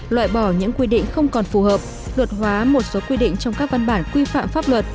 loại bỏ những quy định không còn phù hợp luật hóa một số quy định trong các văn bản quy phạm pháp luật